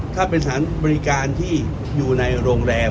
ถ้าเป็นสถานบริการที่มีปลายอนุญาตที่ไม่ได้อยู่ในโรงแรม